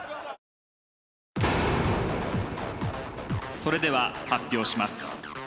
それでは発表します。